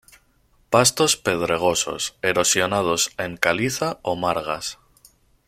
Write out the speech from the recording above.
Pastos pedregosos, erosionados en calizas o margas.